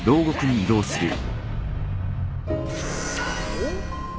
おっ？